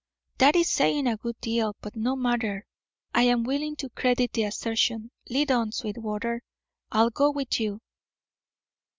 "That is saying a good deal. But no matter. I am willing to credit the assertion. Lead on, Sweetwater; I'll go with you."